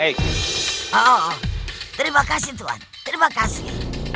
oh terima kasih tuhan terima kasih